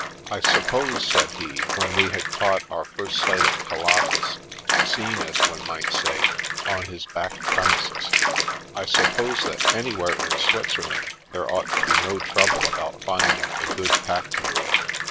" I suppose," said he, when we had caught our first sight of Pilatus (seen, as one might say, on his back premises), "I suppose that anjrwhere in Switzerland, there ought to be no trouble about find ing a good pack mule.